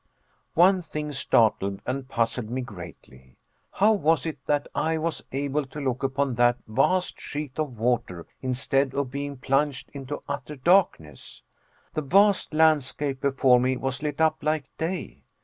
One thing startled and puzzled me greatly. How was it that I was able to look upon that vast sheet of water instead of being plunged in utter darkness? The vast landscape before me was lit up like day.